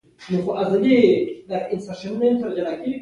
• سترګې د روغتیا لپاره د پاملرنې یوه مهمه برخه ده.